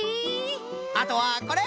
あとはこれ！